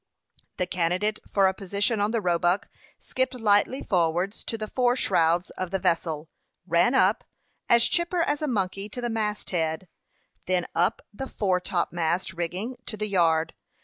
The candidate for a position on the Roebuck skipped lightly forward to the fore shrouds of the vessel, ran up, as chipper as a monkey, to the mast head, then up the fore topmast rigging to the yard.